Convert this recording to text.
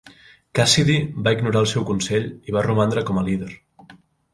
Cassidy va ignorar el seu consell i va romandre com a líder.